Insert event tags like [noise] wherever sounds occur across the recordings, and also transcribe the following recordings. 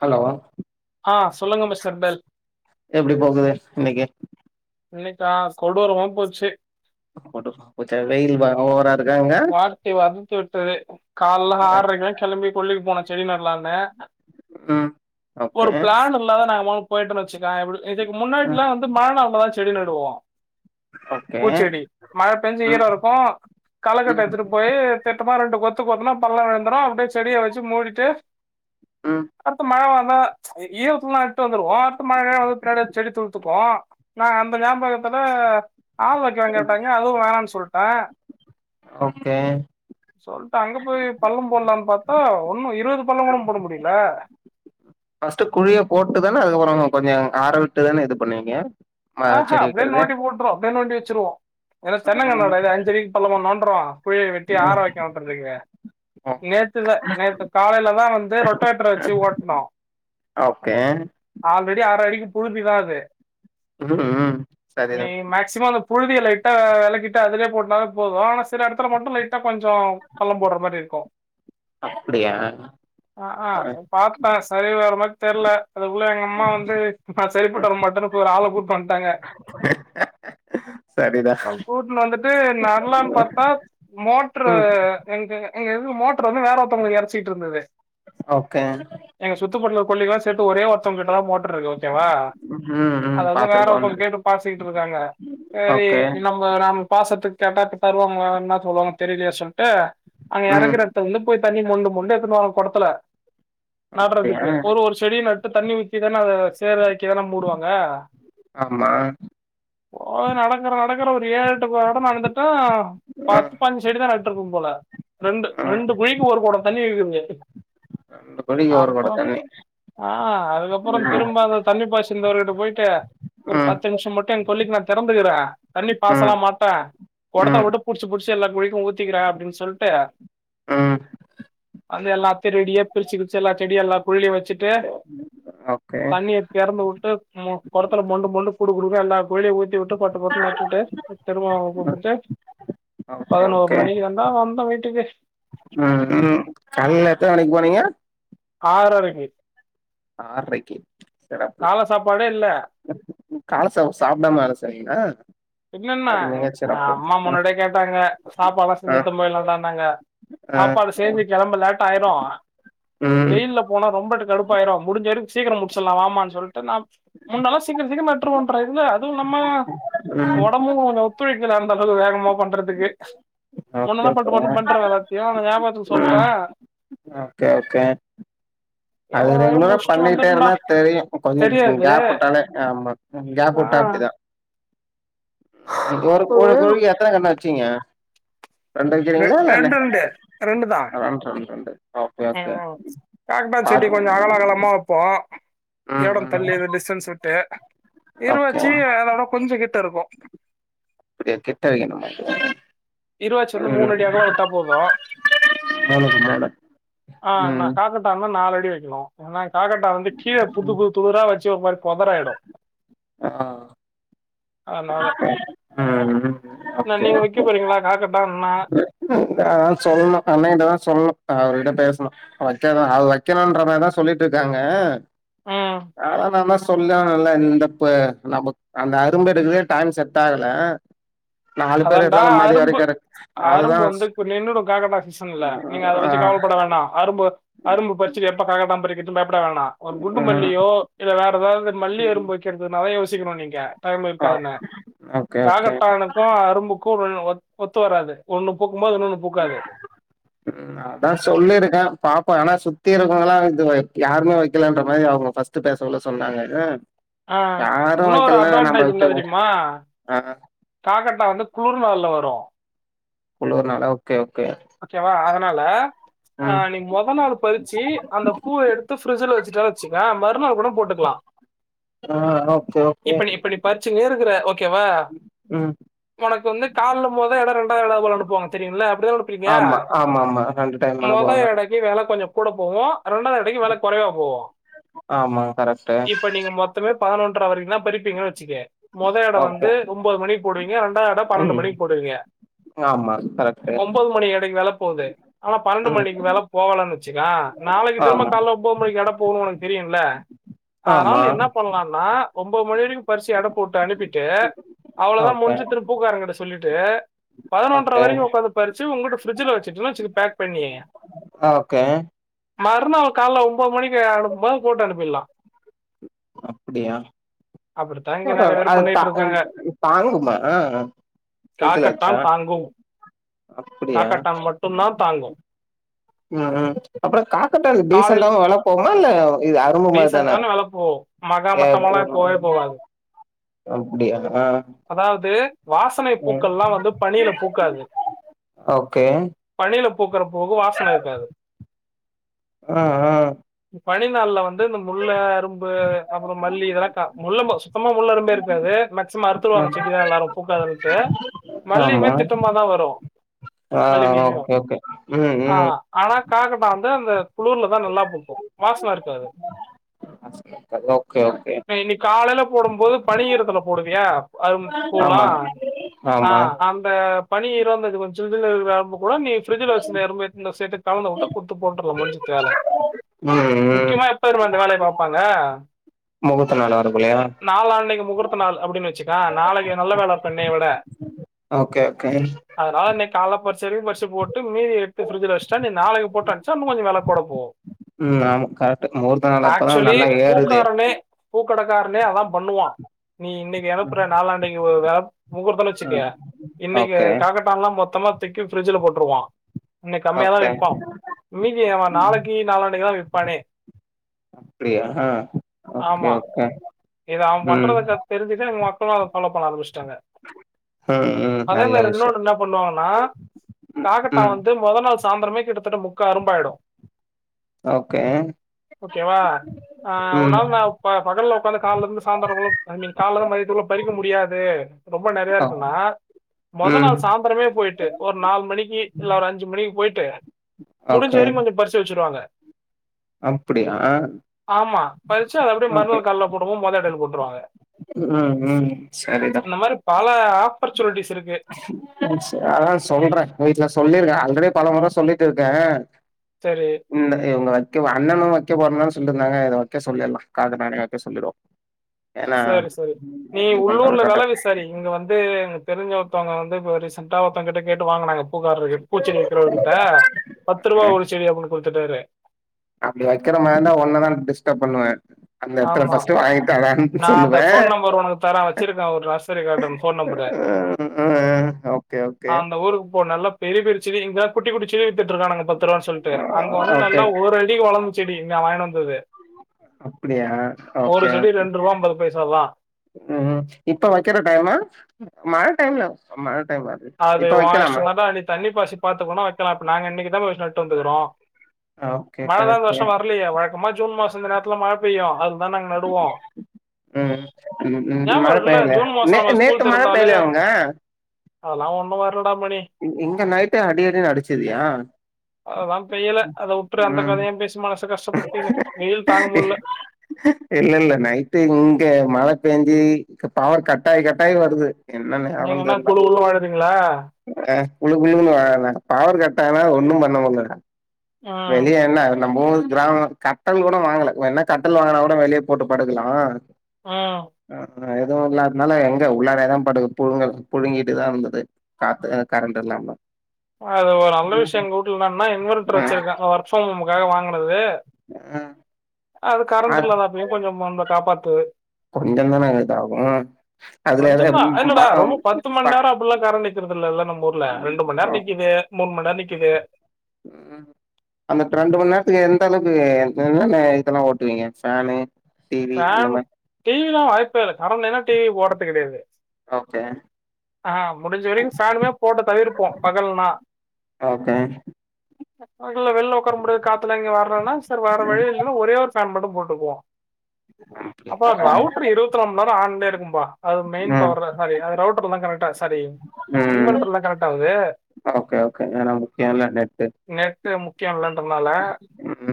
Hello ஆ சொல்லுங்க mister Bell எப்டி போகுது இன்னைக்கி இன்னைக்கா கொடூரமா போச்சு போட்டு ஒரு தலையில் வரு ஓரா வாட் டி வதுத்து விட்டு கால்ல ஆறரைக்கலா கெளம்பி கொல்லிக்கு போன செடி நடளானு ம் ஓகே ஒரு ப்ளான் இல்லாதா நாங்க மொத போய்டோன்னு வச்சுக்காய் இதுக்கு ம் முன்னாடிலா வந் து மழ நேரத்துல தா செடி நடுவோ ஓகே பூச்செடி மழ பெஞ்சு ம் ஈரம் இருக்கு களக்கட்ட ம் எடுத்துட்டு போயி திட்டமா ரெண்டு கொத்து கொத்துனா பள்ளோ விழுந்துரு அப்டியே செடிய வச்சு மூடிட்டு ம் அடுத்து மழ வந்தா ஈ ஈயத்துலனா எடுட்டு வந்துருவோ இப்ப மழ வந்து பின்னாடி செடி துளுத்துக்கு நாங்க அந்த ஞாபகத்துல ஆள் வைக்கவா கேட்டாங்க அதுவு வேணானு சொல்ட்டே ஓகே சொல்ட்டு அங்க போய் பள்ளம் போடலானு பாத்தா ஒன்னு இருவது பள்ளம் கூட போட முடியல ஃபஸ்ட்டு குழிய போட்டுதான அதுக்கப்றோ கொஞ்சோ ஆறவிட்டுதான இது பண்ணுவீங்க ஆ ம ஹ செடி அப்டியே வைக்கிறது நோண்டி போட்ருவோ அப்டியே நோண்டி வச்சிருவோ ஏன ம் செனங்கன்னோடயிது அஞ்சடிக்கு பள்ளமா நோண்டுறோ குழிய வெட்டி ஆற ம் வைக்க மாட்றுதுங்கு ஓ நேத்துதா நேத்து காலேல தா வந்து ரொட்டேட்டர் வச்சு ஓட்னோ ஓகே ஆல்ரெடி அர அடிக்கு புழுதி தா அது ம் ம் நீ சரிதா மேக்ஸிமம் அந்த புழுதிய லைட்டா அ வெளக்கிட்டு அதுலே போட்னாலு போது ஆனா சில எடத்துல மட்டு லைட்டா கொஞ்சோ பள்ளம் போடுற மாரி இருக்கொ [inaudible] அப்டியா ஆ ஆசை பாத்தாங்க சரி வர்ற மாரி தெர்ல அதுக்குள்ள எங்க அம்மா வந்து நா சரிப்பட்டு வர மாட்டேனு போய் ஒரு ஆள கூட்டு வந்ட்டாங்க சரிதா ந போட் னு வந்துட்டு நடலான்னு பாத்தா மோட்டரு ம் எங்க எங்க இது மோட்டர் வந்து வேற ஒரு மோட்டர் ஒன்னு யெறச்சிட்டு இருந்தது ஓகே எங்க சுத்துப்பட்டுல கொல்லிக்கெல்லா சேத்து ஒரே ஒருத்தவுங்க கிட்டதான் மோட்டரு இருக்கு ஓகேவா ம் ம் இங்க வேற பாத்துருக்கோ ஒருத்தவுங்க கேட்டு பாய்சிக்கிட்டு இருக்காங்க சேரி ஓகே இன்னம் அ நம் பாசத்துக்கு கெட்டா தருவாங்களா என்ன சொல்லுவாங்க தெரியலயே சொல்ட்டு அங்க ம் எறக்குறத்துல வந்து போய் தண்ணி மொண்டு மொண்டு எத்துனு வரோ கொடத்துல அப்டியா நடுறதுக்கு ஒரு ஒரு செடிய நட்டு தண்ணி ஊத்திதானே அத சேராக்கிதான மூடுவாங்க ஆமா போ நடக்குறோ நடக்குறோ ஒரு ஏழுட்டுக்கு நடோ நடந்துட்டோ பத்து ம் பாஞ்சு செடி தா நட்டு இருக்கு போல ரெண்டு ம் ரெண்டு குழிக்கு ஒரு கொடோ தண்ணி வக்க முடியாது ரெண்டு குழிக்கு ஒரு கொடோ தண்ணீ ஆ அதுக்கப்புறம் திரும்ப அந்த தண்ணிப்பாச்சிந்தவர்கிட்ட போயிட்டு ஒரு பத்து நிமிஷம் மட்டு என் கொல்லிக்கு நா தெறந்துக்கிறே தண்ணி பாசலா மாட்டே கொடத்தல மட்டு புடிச்சு புடி ச்சு எல்லா குழிக்கு ஊத்திக்கிற அப்டின்னு சொல்ட்டு ம் வந்து எல்லாத்தயு ரெடியே பிரிச்சு பிருச்சி எல்லா செடிய எல்லா குழிலேயு வச்சிட்டு ஓகே தெறந்து விட்டு மொ கொடத்துல மொண்டு மொண்டு குடு குடுன்னு எல்லா குழியை ஊத்தி விட்டு பட்டு பட்டுனு நட்டுட்டு திரும்ப போட்டுடு ஓகே பதினோரு மணிக்குதாண்டா வந்த வீட்டுக்கு ம்ஹூம் காலைல எத்தன மணிக்கு போனீங்க ஆறரைக்கு ஆறரைக்கு சிறப்பு கால சாப்பாடே இல்ல கால சாப்பாடு சாப்பிடாம வேல செய்ரீங்களா பின்னன்ன அம்மா முன்னாடியே கேட்டாங்க சாப்பாடு எல்லா செஞ்சு அ எடுத்துட்டு போயிலான்டானாங்க அ சாப்பாடு சேஞ்சு கிளம்ப லேட் ஆயிரு ம் வெயில்ல போன ரொம்ப கடுப்பாயிரும் முடிஞ்ச வரைக்கும் சீக்கிரம் முடிச்சிடலா வாமான்னு சொல்லிட்டு நா முன்னெல்லாம் சீக்கிரம் சீக்கிரம் நட்ருவோம்னறக்குல்ல அதுவு நம்ம ம் ஓடம்பு ஒத்துழைக்கல அந்த அளவுக்கு வேகமா பண்றதுக்கு ஓகே முன்னல்லா ஓகே பட்டு பட்டுன்னு பண்றத ஏதோ ஞாபகத்துக்கு சொல்லிட்டே ம் ஓகே ஓகே அது எவ்வளோ ரெகுலரா முடிச்சுட்டு பண்ணிட்டே வந்துட்டா இருந்தா தெரியு கொஞ்ச தெரியாது கேப் விட்டாலே ஆமா கேப் ஆ, விட்டா அப்டிதா ஒரு ஒரு குழிக்கு எத்தனை கண்ணு வச்சீங்க ரெண்டு ரெ- வைக்கிறீங்களா இல்ல ரெண்டு ரெண்டு ரெண்டு தான் ரெண் ரெண் ரெண்டு ஓகே ஒகே காக்பத் செட்டி கொஞ்ச அகல அகலமாக வைப்போ ம் எடோ ம் தள்ளி டிஸ்டன்ஸ் விட்டு ஓகே இருவாச்சி அதோட கொஞ்சோ கிட்ட இருக்கு அப்டியா கிட்ட வெக்கணுமா அது இருவாச்சி வந்து மூணு அடி அகலோ விட்டா போதும் மூணுக்கு மூணு ஆ ந ம் காக்க டான்னா நாலடி வெக்கணு ஏன்னா காகரட்டான் வந்து கீழே புது புது தூரா வச்சு ஒரு மாரி பொதராயிடு ஆ அதனால ஓகே ம் ம் ஏ ஓகே நீங்க வெக்க போறீங்களா காக்கட்டான்னா இந்தா சொல்லணு அண்ணைங்கிட்டதா சொல்லணு அவர்கிட்ட பேசணு வக்கானு அது வைககணும்ன்ற மாரிதா சொல்லிட்டு இருக்காங்க ம் ஆன ந தா சொ சொல்லனால்ல இந்த ப நம்ம அந்த அரும்பு எடுக்குலயே டைம் செட் ஆகல நாலு பேர் அதான்டா எடுத்தாலு மதிய அரும்பு வரைக்கு எடுக் அதுதா அரும்பு வந்து இப்ப நின்னுடு காகட்டான் சீசன் இல்ல நீங்க அதை ஆ வச்சு கவலைப்பட வேண்டா அரும்பு அரும்பு பச்சு எப்ப காகட்டான் பறிக்க பயப்பட வேணாம் ஒரு குண்டு ம் மல்லியோ இல்ல வேற ஏதாவது மல்லி அரும்பு வைக்கிறது தா யோசிக்கணு நீங்க டைம் இருக்காதுன்னே ஓகே ஓகே காகட்டான அப்பா அரும்புக்கு ஒ ஒத்து வராது ஒண்ணு பூக்கும்போது இன்னொண்ணு பூக்காது ம் நா அதா சொல்லியிருக்கே பாப்போ ஆனா சுத்தி இருக்கவங்களல்லா இது யாருமே வைக்கலன்ற மாரி அவுங்க ஃபஸ் ட் டைம் சொல்ல சொன்னாங்கனு ஆ யாரு இன்னொரு வைக்கலன என்னா நம்ப அட்வான்டேஜ் என்ன வைக்க தெரியுமா ஆ காக்கட்டா வந்து குளுர்நாள்ல வரு உள்ளூருனால ஓகே ஓகே ஓகேவா அதனால ஆ ம் நீ மொத நாள் பறிச்சு அந்த பூவ எடுத்து ஃப்ரிஜ்ஜில வச்சுட்ட வச்சுக்கவே மறுநாள் கூட போட்டுக்லா ஆ ஓகே ஓகே இப்ப இப்ப நீ பறிச்சுனே இருக்குற ஓகேவா ம் ஒனக்கு வந்து கால்ல மொத எடோ இரண்டாயிரோவ போல அனுப்புவாங்க தெரியுல்ல அப்டி தா ஆமா ஆமா ஆமா ரெண்டு டைமு அனுப்புவாங்க இல்லாட்டி வேல கொஞ்சோ கூட போவு இரண்டா அன்னைக்கு வேல குறைவா போவு ஆமா கரெக்ட்டு இப்ப நீங்க மொத் மொத்தமே பதினொன்ற வரைக்கு தா பறிப்பீங்கன்னு வச்சுக்கோயே மொத எட ஓகே வந்து ஒம்போது மணிக்கு போடுவீங்க ரெண்டாவது எட பன்னெண்டு ம் மணிக்கு போடுவீங்க ஆமா கரெக்டு ஒம்போது மணி எட வெல போகுது ஆனா பன்னெண்டு ம் மணிக்கு வெல போகலனு வச்சுக்குவே நாளைக்கு திரும்ப ஆமா கால ஒம்போ மணிக்கு எட போகுன்னு ஒனக்கு தெரியுல்ல அதனால் ஆமா நீ என்ன பண்லான்னா ஒம்போது மணி வரைக்கு பறிச்சு எடப்போட்டு அனுப்பிட்டு அவ்வளோதா ஓகே முஞ்சு திரும்ப பூக்காரங்கிட்ட சொல்லிட்டு பதினொன்றர ஓகே வரைக்கு உக்காந்து பறிச்சு உங்களிட்ட ஃபிரிஜ்ல வச்சுட்டனு வச்சுக்க பேக் பண்ணி ஓகே மறுநாள் கால்ல ஒம்போது மணிக்கு அனுப்பும்போது அத போட்டு அனுப்பீர்லா அப்டியா அப்படித்தான் இங்க நெறைய பேர் அது தா பண்ணிட்டு இருக்காங்க. தாங்குமா ஃப்ரிட்ஜ்ல வச்சா காக்கட்டான் தாங்கும் அப்டியா காக்கட்டான் மட்டுந்தான் தாங்கு ம் ம் அப்றோ காக்கட்டான் காலேஜ் டீசண்டாவு‌ வெலப்போவுமா இல்ல இது அரும்பு மாரி தானா வெலப்போவு ஏர் போனு அப்டியா அதாவது வாசனை ம் பூக்கள்லா வந்து பனில பூக்காது ஓகே பனியில பூக்குற பூக்கு வாசன இருக்காது ம் ம் பனி நாள்ள வந் து இந்த முள்ள அரும்பு அப்றோ மல்லி இதெல்லா கா முள்ள சுத்தமா முள்ள அரும்பே இருக்காது சும்மா ஆ அறுத்துடுவாங்க செடி நல்லாருக்கு பூக்காதுன்ட்டு மல்லிலா திட்டமா தா வரு அ மல்லிகையு ஓகே ஓகே ம் ஆ ம் ஆனா காகட்டா வந்து அந்த குளர்ல தா நல்லா பூக்கு வாசன இருக்காது கே ஓகே ஓகே இப்ப இன்னிக்கு காலயில போடும் போது பனியிரத்துல போடுவியா அது பூலா ஆமா ஆ ஆமா அந்த பனியிரோனு வந்து ஜில் ஜில்னு இருக்குதா கூட நீ ஃபிரிட்ஜூல வச்சுருந்து அரும்பு எடுத்து இந்த சைடுல கலந்து வுட்டு குட்த்து போட்டுர்லா முட்ஞ்சது வேல ம் ம் முக்கியமா எப்ப தெரியுமா இந்த வேலய பாப்பாங்க முகத்த நாலு வரகுல்லயா நாளான்னைக்கு முகூர்த்த நாள் அப்டின்னு வச்சுக்க நாளைக்கு நல்ல நாள் அப்ப இன்னைய விட ஓகே ஓகே அதனால நீ கால பறிச்சு வரைக்கு பறிச்சுப்போட்டு மீதி எட்து ஃப்ரிட்ஜல வச்சுட்டா நீ நாளைக்கு போட்டு அச்சா இன்னு கொஞ்சோ வில கூட போகு ம் ஆமா கரெக்ட்டு மூகூர்த்த நாள் அப்பதா நல்லா ஏறுது பூக்கடக்காரனே அதான் பண்ணுவான் நீ இன்னைக்கு அனுப்புற நாளான்னைக்கு வேப் முகூர்த்தன்னு ம் வச்சுக்கியே இன்னைக்கு ஓகே சேட்டான்ல்லாம் மொத்தமா தூக்கி ப்ரிட்ஜுல போட்டுருவான் இன்னைக் கம்மியா தா ஓகே விப்பான் மீதிய அவன் நாளைக்கு நாளான்னைக்கு தா விப்பானே அப்டியா ஆ ஓகே ஆமா ஓகே இத அவன் ம் பண்றத தெரிஞ்சி தா மொத்தமா அத பாஃலோ பண்ண ஆரம்பிச்சிடாங்க ம் ம் நல்ல விஷ்யம் என்ன பண்ணுவாங்கனா காகட்டா வந்து முதல் நாள் சாந்தரமே கிட்டத்தட்ட முக்கா அரும்பாயிடும் ஓகே ஓகே வா அ ஒரு ம் நா ப்ப பகல்ல ஒக்காந்து காலருந்து சாயந்தரங்குள்ள ஐ மீன் காலந்து மதியத்துக்குள்ள பறிக்க முடியாது ரொம்ப நெறைய ஓ இருக்குன்னா முத ம் நாள் சாய் ந்திரமே போயிட்டு ஒரு நாலு மணிக்கு இல்ல ஒரு அஞ்சு மணிக்கு போயிட்டு முடிஞ்ச ஓகே வரியு கொஞ்ஜோ பறிச். சு வச்சிருவாங்க அப்டியா ஆமா பறிச்சு அதப்படிய மருநாள் கால போடும்போ முதல் இட போட்டுருவாங்க அ ம் சரிடா இந்த மாதிரி பல ஆப்பர்ச்சுனிட்டிஸ் இருக்கு ம் சேர்ரா சொல்றேன் வீட்ல சொல்லிருக்கே ஆல்ரெடி பல மோற சொல்லிட்டு இருக்கேன் செரி இந்த இவங்க வைக்க அண்ணனு வைக்க போறன்னு தானே சொல்லிருந்தாங்க இத வைக்க சொல்லிடலா [unintelligible] அண்ணன வைக்க சொல்லிடுவோ ஏன்னா செரி செரி நீ இது பண்றது உள்ளூர்ல வெல கரெக்டா விச சரி இங்க வந்து எனக் தெரிஞ்ச ஒருத்தவங்க வந்து ரீசண்டா ஒருத்தவங்க கிட்ட கேட்டு வாங்குனாங்க பூக்காரக்கு பூச்செடி யவர் கிட்ட பத்து ரூவா அ ஒரு செடி அப்டின்னு குடுத்துட்டாரு அப்டி வைக்கிற மாரிந்தா ஒன்னதா டிஸ்டர்ப் பண்ணுவேன் அந்த எடத்துல ஆமா ஃபஸ்ட் வாங்கிதாடானு நா அந்த சொல்லுவேன் ஃபோன் நம்பர் உனக்கு தரேன் வச்சிருக்கே ஒரு நர்சரி கார்டன் ஃபோன் நம்பரு ம் ம் ஓகே ஓகே அந்த ஊருக்கு போ நல்லா பெரிய பெரிய செடி இங்கதா குட்டி குட்டி செடி வித்துட்டு இருக்காங்க பத்து ரூவான்னு சொல்லிட்டு அங்க வந்து ஓகே நல்லா ஒரு அடிக்கு வளர்ந் செடி இங்க வாங்கினு வந்தது அப்புடியா ஒரு ஓகே செடி ஓகே ரெண்டு ரூபா ஐம்பது பைசா தா ம் ம் இப்ப வைக்கற டைமு மழ டைம்ல மழ டைம் அது இப்ப ஒன் இஷ்டோ வைக்கலாமா தான் டா நீ தண்ணி பாசி பாத்துக்குனும் வைக்கலாம் இப்ப நாங்க இன்னைக்கு தா போய் நட்டுட்டு வந்துக்கிறோம் ஓகே மழ தா இந்த கரெக்ட் வருஷம் வரலையே வழக்கமா ஜூன் மாசம் இந்த நேரத்துல மழ பெய்யும் அதுலதா நாங்க நடுவோம் ம் ம் ம் ஞாபகம் மழ இருக்குல்ல பெய்லைய ஜூன் மாசம் நே நம்ம நேத்து ஸ்கூல் மழ திறந்தாலே பெய்யலய அங்க அதெல்லாம் ஒண்ணு வர்ல டா மணி இ இங்க நைட்டு அடி அடி அடிச்சதுயா அததா பெய்யல அத வுட்ரு அந்த ம் கத ஏன் பேசி மனச கஷ்டப்படுத்தினு வெயில் தாங்க முடியல இல்ல இல்ல நைட்டு இங்க மழ பெஞ்சி பவர் கட்டாய் கட்டாயி வருது என்ன நீங்க என்ன குழு குழுனு வாழ்றீங்களா ஆ குளு குளு பவர் கட்டானா ஒண்ணும் பண்ண முடில ம் வெளிய என்ன நம்மூர் கிராம கட்டல் கூட வாங்கல வேணா கட்டல் வாங்குனா கூட வெளிய போட்டு படுக்கலா ஆ ஆ எதுவும் இல்லாததுனால எங்க உள்ளாராதாயேன் படு புழுங்கறது புழுங்கிட்டுதான் இருந்தது காத்து கரண்ட் இல்லாம அது ஒரு நல்ல விஷயம் எங்க வீட்ல என்னனா இன்வெ்டர் ஆ வச்சிருக்கன் ஒர்க் ஃபரம் ஹோம்காக வாங்குனது அது ஆ கரண்ட் இல்லதாப்பயு கொஞ்சோ வந்து காப்பாத்துது கொஞ்சன்தான கேட்ட அவ்ளோ அதுல எதா பாக்யம் ப ஃபுல்லா கரன்ட் நிக்கறது இல்லல்ல நம்ம ஊர்ல ரெண்டு மண் நேரோ நிக்குது மூண் மண் நேரோ நிக்குது ம் அந்த ரெண்டு மண் நேரத்துக்கு எந்த அளவுக்கு என்னன்ன இதெல்லா ஓட்டுவீங்க ஃபேனு டி வி இந்த ஃபேன் மாரி டி வில வாய்ப்பே இல்ல கரன்ட் இல்லனா டி வி போடறது கெடயாது ஓகே ஆ முடிஞ்ச வரைக்கு சாலுமே போட்டு தள்ளி இருப்போ பகல்னா ஓகே இல்ல வெள்ல உக்கார முடியாது காத்துல இங்க வர்லனா சேரி வேற வழி இல்லனா ஒரே ஒரு ஃபேன் மட்டு போட்டுக்குவோ அப்ப ரவுட்ரு இருவத்நாளு மண் நேரோ ஆன்லயே இருக்கும்பா அது மெய்ன் ம் பவர்தான் சாரி அது ரவுட்ர்லதா கனெக்ட்டா சாரி ம் இன்வெர்டர் தான் கனெக்ட் ஆகுது ஓகே ஓகே எஏனா முக்கியொல்ல நேத்து நேத்து முக்கியொ இல்லன்றனால ம்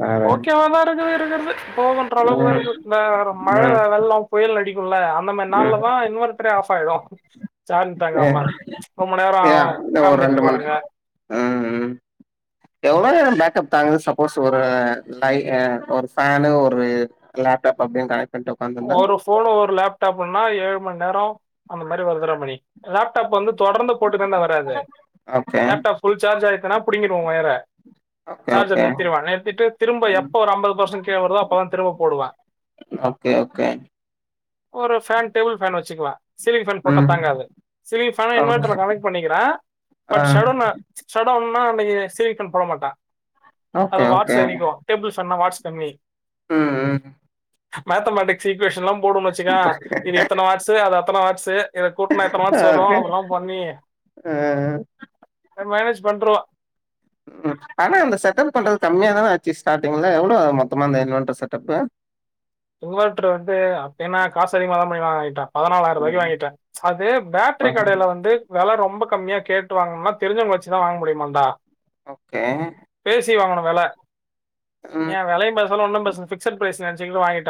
அ அதா இருக்கு இருக்கறது போதுன்ற அளவுக்கு ம் வருது இந்தா மழை, ம் வெள்ளோ, புயல் அடிக்குல்ல அந்த மாரி ம் நாள்லதா இன்வென்ட்டரே ஆஃப் ஆயிடு சார்ஜ் ஏ தாங்காம ரொம்ப நேரோ ஏ ஆவு இந்த ஒரு கரண்ட் ரெண்டு மண் நிறுத்திருவானுக ம் ம் எவ்ளோ நேரோ பேக்கப் தாங்குது சப்போஸ் ஒரு லை ஒரு ஃபேனு ஒரு லேப்டாப் அப்டின் கனெக்ட் பண்டு ஒரு ஃபோனு ஒரு லேப்டாப்னா ஏழு மண்நேரோ அந்த மாரி வருதுறா மணி லேப்டாப் வந்து தொடர்ந்து போட்டுன்டா வராது ஓகே லேப்டாப் ஃபுல் சார்ஜ் ஆயிட்டனா புடிங்கிரு ஒயர ஓகே சார்ஜர ஓகே நிருத்திருவ நிருத்திட்டு திரும்ப எப்ப ஒரு அம்பது பர்சன்ட் கீழ வருதோ அப்பதா திரும்ப போடுவ ஓகே ஓகே ஒரு ஃபேன் டேபிள் ஃபேன் வெச்சுக்கலா சீலிங் ஃபேன் போட்டா ம் தாங்காது சீலிங் ஃபேன் ஓகே இன்வெட்டர்ல கனெக்ட் பண்ணிக்கிற ஆ பட் ஷட்டவுன் ஷட்டவுன்னா அன்னக்கி சீலிங் ஃபேன் போட மாட்ட ஓகே அது ஓகே வாட்ஸ் அதிகோ டேபுள் ஃபேன்னா வாட்ஸ் கம்மி ம் ம் மேத்தமேட்டிக்ஸ் ஈக்குவேஷன்லா போடும்னு வெச்சுக்க இது இத்தன வாட்ஸு அது அத்தன வா்ட்ஸு இத கூட்னா எத்தன வாட்ஸ் வரு ஓகே அதெல்லா பண்ணி ஆ மேனேஜ் பண்றுவ ம் ஆனா அந்த செட்டப் பண்றது கம்மியாதான ஆச்சு ஸ்டாடிங்ல எவ்ளோ மொத்தமா இந்த இன்வென்ட்டர் செட்டப்பு? இன்வெட்டர் வந்து அப்பயனா காசு அதிகமாதா பண்ணி வாங்கிட்டான் பதினாளாயிரரூபாய்க்கு ஆ வாங்கிட்ட அது பேட்ரி கடைல வந்து வெல ரொம்ப கம்மியா கேட்டு வாங்ணம்னா தெரிஞ்சவங்கள வெச்சுதா வாங்க முடியுமான்டா ஓகே பேசி வாங்கணு வெல ம் எ வெலையு பேசல ஒன்னு பேசல ஃபிக்சட் பிரைஸ்னு நெனச்சிக்டு வாங்கிட்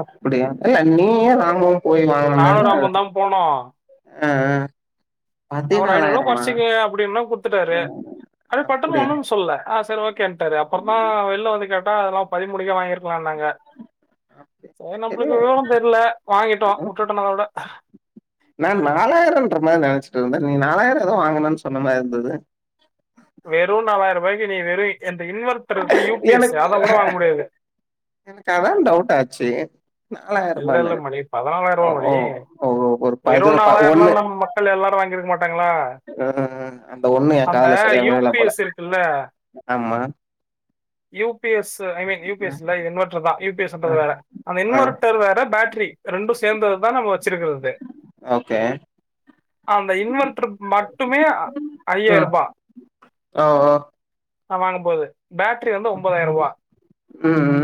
அப்டியா இல்ல நீ எ வாங்குனுன் போய் வாங் நானு ராமுதா போனோ அ அ அ ஒரு ஐநூறுவா கொறச்சிக்கங்க அப்டின்ன குடுத்துட்டாரு ஆ அது பட்ணு அப்டியா ஒன்னு சொல்ல ஆ செரி ஓகே டாறு அப்ரொதா வெள்ல வந்து கேட்டா அதெல்லா பதிமூனுக்கே வாங்கிருக்கலானாங்க அப்டி சேரி இது நம்பளுக்கு விவரோ தெர்ல வாங்கிட்டோ உட்டுட்டோ நல்ல வேல மேம் நாலாயிரோன்றமாரி நெனச்சிட்ருந்த நீங் நாலாயிரோ எதோ வாங்குனுன் சொன்னமாரி இருந்தது வெறு நாலாயிர்பாய்க்கு நீ வெறு இந்த இன்வெர்டர்ருக்குல யூ பி எஸ்ஸு அத கூட வாங்க முடியாது எனக்கத்தா டவுட் ஆச்சு இல்ல நாலாயர்ரூபானு இல்ல மணி பதினாலாயிரம் ஓ ரூபாய் மணி ஓ ஒ ஒரு பது ஒன்னு கள் எல்லாரு வாங்கிருக்க மாட்டாங்களா ம் ம் அந்த ஒன்னு எ அந்த காதுல செரியா விலல போல யூபிஎஸ் இருக்குல்ல ஆமா U P S I mean U P எஸ்ல இன்வர்ட்ருதா யு பி ஆ எஸ்ன்றது வேற அந்த ஆ இன்வர்டர் வேற பேட்ரி ரெண்டு சேந்ததுதா நம்ம வெச்சுர்குறது ஓகே அந்த இன்வெர்டர் மட்டுமே ஐயார் ரூபா ஒ ஒ நா வாங்கபோது பேட்ரி வந்து ஒம்போதாய்ர் ரூபா ம் ம்